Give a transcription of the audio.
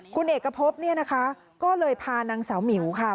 คุณเอกพบก็เลยพานางเสาหมิ๋วค่ะ